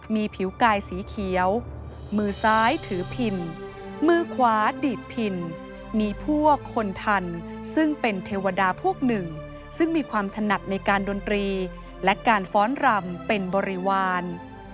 มีผิวกายสีเขียวมือซ้ายถือพินมือขวาดีดพินมีพวกคนทันซึ่งเป็นเทวดาพวกหนึ่งซึ่งมีความถนัดในการดนตรีและการฟ้อนรำเป็นบริวาร